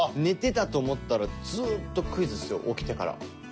寝てたと思ったらずっとクイズっすよ起きてから。